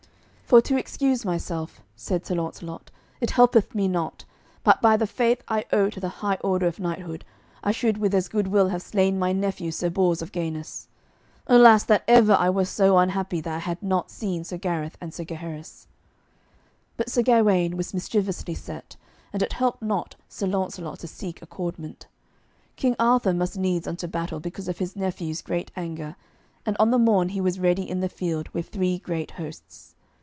"For to excuse myself," said Sir Launcelot, "it helpeth me not, but by the faith I owe to the high order of knighthood, I should with as good will have slain my nephew Sir Bors of Ganis. Alas, that ever I was so unhappy that I had not seen Sir Gareth and Sir Gaheris." But Sir Gawaine was mischievously set, and it helped not Sir Launcelot to seek accordment. King Arthur must needs unto battle because of his nephew's great anger, and on the morn he was ready in the field with three great hosts.